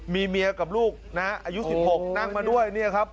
มีเมียกับลูกนะฮะอายุ๑๖นั่งมาด้วยเนี่ยครับ